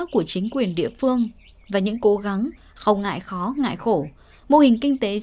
chính là đồng vốn và sức mật của ông việt